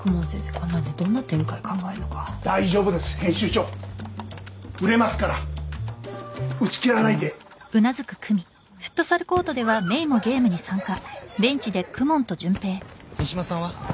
こんなんでどんな展開考えんのか大丈夫です編集長売れますから打ち切らないでうん三島さんは？